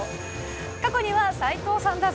過去には、斎藤さんだぞ！